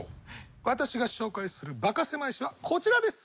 私が紹介するバカせまい史はこちらです。